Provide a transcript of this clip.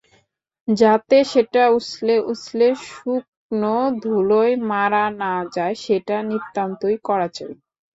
যাতে সেটা উছলে উছলে শুকনো ধুলোয় মারা না যায় সেটা নিতান্তই করা চাই।